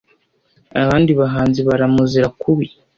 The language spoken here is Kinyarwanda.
abandi bahanzi baramuzira kubi